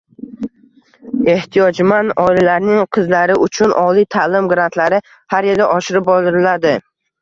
Ehtiyojmand oilalarning qizlari uchun oliy ta’lim grantlari har yili oshirib boriladi.